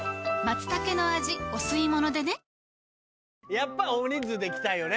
やっぱり大人数で行きたいよね